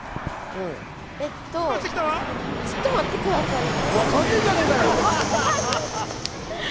えと、ちょっと待ってくださいね。